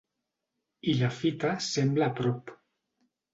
I la fita sembla a prop.